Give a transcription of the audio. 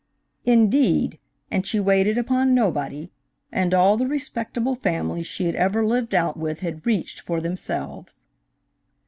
"Indeed, and she waited upon nobody, and all the respectable families she had ever lived out with had 'reached' for themselves."